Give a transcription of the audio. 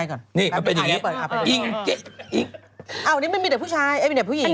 คุณหมอโดนกระช่าคุณหมอโดนกระช่า